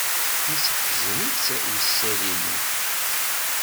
Yesseḥzen-itt yisalli-nni.